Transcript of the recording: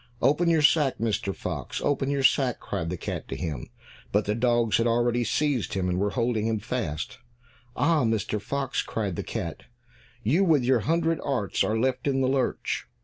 "Open your sack, Mr. Fox, open your sack," cried the cat to him, but the dogs had already seized him, and were holding him fast. "Ah, Mr. Fox," cried the cat. "You with your hundred arts are left in the lurch!